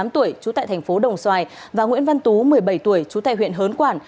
tám tuổi trú tại thành phố đồng xoài và nguyễn văn tú một mươi bảy tuổi trú tại huyện hớn quản